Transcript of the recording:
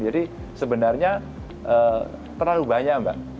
jadi sebenarnya terlalu banyak mbak